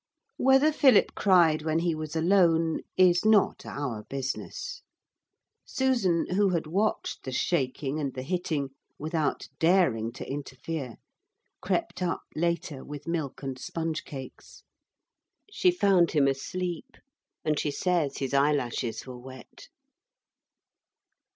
Whether Philip cried when he was alone is not our business. Susan, who had watched the shaking and the hitting without daring to interfere, crept up later with milk and sponge cakes. She found him asleep, and she says his eyelashes were wet.